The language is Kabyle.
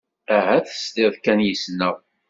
Ahat tesliḍ kan yes-neɣ.